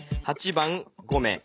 ８番５名。